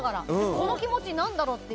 この気持ち何だろうって。